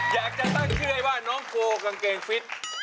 อยากจะตั้งชื่อให้ว่าน้องโกกางเกงฟิต